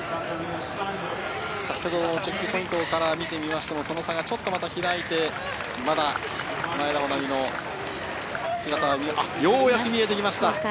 チェックポイントから見てみましても、その差がちょっと開いてまだ前田穂南の姿がようやく見えてきました。